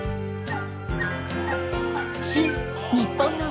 「新・にっぽんの芸能」